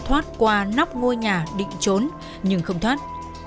thoát qua nóc ngôi nhà định trốn nhưng không thoát